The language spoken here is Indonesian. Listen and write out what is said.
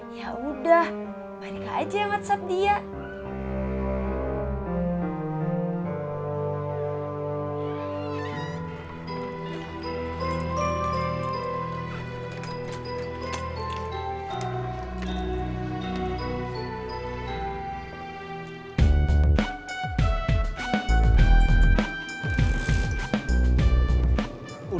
ya udah aku udah sibuk banget ya mbak